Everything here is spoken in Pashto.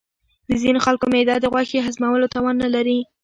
د ځینې خلکو معده د غوښې هضمولو توان نه لري.